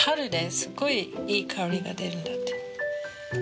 すごくいい香りが出るんだって。